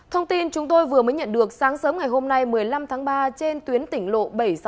thông tin chúng tôi vừa mới nhận được sáng sớm ngày hôm nay một mươi năm tháng ba trên tuyến tỉnh lộ bảy trăm sáu mươi bảy